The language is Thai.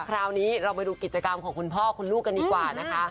คราวนี้เรามาดูกิจกรรมของคุณพ่อคุณลูกกันดีกว่านะคะ